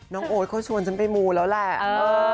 น้องโอ๊ตก็ชวนฉันไปมูลแล้วแหละเออ